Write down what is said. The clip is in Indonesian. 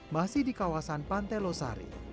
masih di kawasan pantai losari